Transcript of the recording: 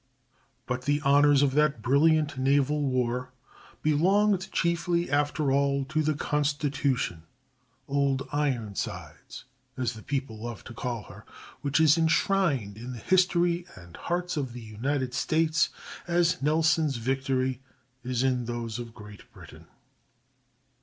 ] But the honors of that brilliant naval war belonged chiefly, after all, to the Constitution—"Old Ironsides," as the people loved to call her,—which is enshrined in the history and hearts of the United States as Nelson's Victory is in those of Great Britain.